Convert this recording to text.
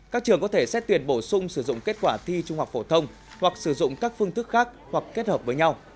các trường có thể xét tuyển bổ sung sử dụng kết quả thi trung học phổ thông hoặc sử dụng các phương thức khác hoặc kết hợp với nhau